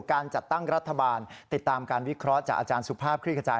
การจัดตั้งรัฐบาลติดตามการวิเคราะห์จากอาจารย์สุภาพคลิกกระจาย